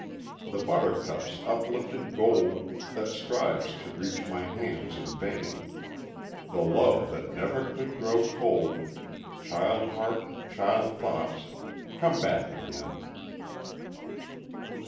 The buttercup's uplifted gold That strives to reach my hands in vain, The love that never could grow cold Child heart, child thoughts, come back again!